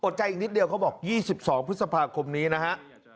ใจอีกนิดเดียวเขาบอก๒๒พฤษภาคมนี้นะฮะ